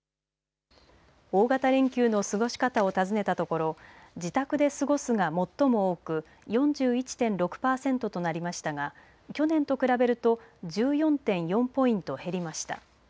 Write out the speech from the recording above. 大型連休の過ごし方を尋ねたところ自宅で過ごすが最も多く４１．６％となりましたが去年と比べると１４．４ポイント減りました。